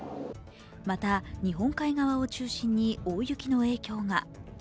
また日本海側を中心に大雪の影響が。